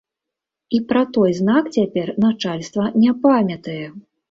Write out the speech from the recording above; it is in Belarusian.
І пра той знак цяпер начальства не памятае.